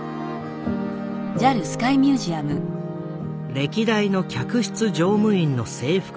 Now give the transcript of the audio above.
歴代の客室乗務員の制服が並ぶ中